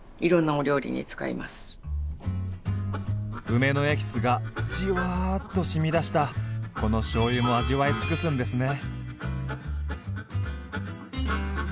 梅のエキスがじわっとしみ出したこのしょうゆも味わい尽くすんですね。